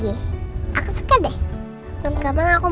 jangan sampai kedengeran rosan aku